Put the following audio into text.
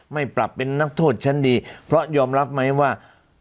ไม่ปรับเป็นนักโทษชั้นดีเพราะยอมรับไหมว่า